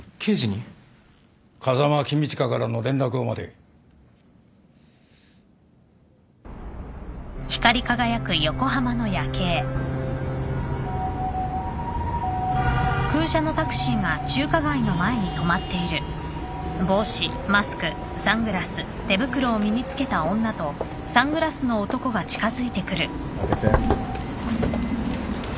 風間公親からの連絡を待て。開けて。